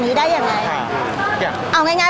พี่ตอบได้แค่นี้จริงค่ะ